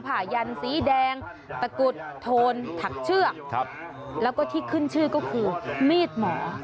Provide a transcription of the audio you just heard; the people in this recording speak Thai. ผ่ายันสีแดงตะกุดโทนถักเชือกแล้วก็ที่ขึ้นชื่อก็คือมีดหมอ